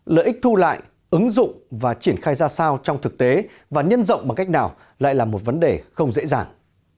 lợi ích thu lại ứng dụng và triển khai ra sao trong thực tế và nhân rộng bằng cách nào lại là một vấn đề không dễ dàng